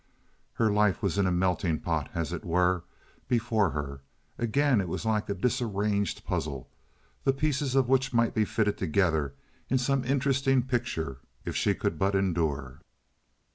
Her life was in a melting pot, as it were, before her; again it was like a disarranged puzzle, the pieces of which might be fitted together into some interesting picture if she could but endure.